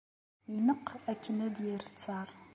Ineqq akken ad d-yerr ttaṛ.